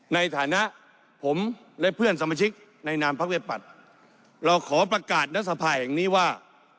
ในฐานะผมและเพื่อนสมาชิกในนามพักวิปัตย์เราขอประกาศรัฐสภาแห่งนี้ว่า